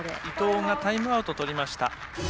伊藤がタイムアウトをとりました。